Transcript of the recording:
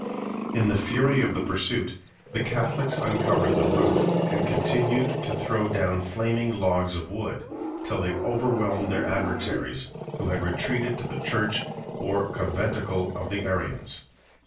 In the fury of the pursuit, the Catholics uncovered the roof, and continued to throw down flaming logs of wood, till they overwhelmed their adversaries, who had retreated to the church or conventicle of the Arians.